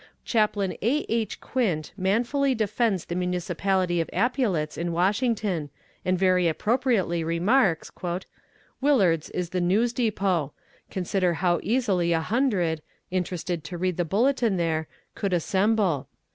Chaplain A. H. Quint manfully defends the multiplicity of epaulets in Washington, and very appropriately remarks: "Willard's is the news depot. Consider how easily a hundred, interested to read the bulletin there, could assemble.